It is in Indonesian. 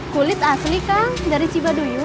kulit asli kan dari cibaduyut